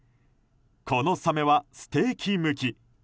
このサメはステーキ向き。